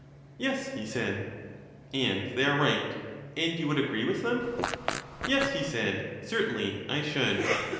Yes, he said. And they are right, and you would agree with them? Yes, he said, certainly I should.